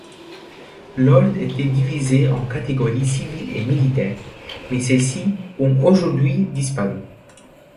L'ordre était divisé en catégories civile et militaire, mais celles-ci ont aujourd'hui disparu.